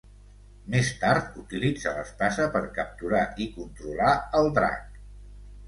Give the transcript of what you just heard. Més tard utilitza l'espasa per capturar i controlar el drac.